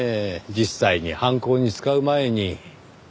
実際に犯行に使う前に。